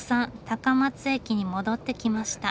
高松駅に戻ってきました。